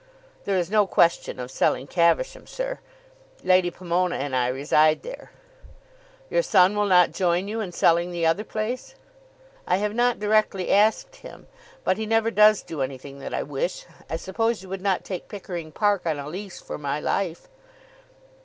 "There is no question of selling Caversham, sir. Lady Pomona and I reside there." "Your son will not join you in selling the other place?" "I have not directly asked him; but he never does do anything that I wish. I suppose you would not take Pickering Park on a lease for my life."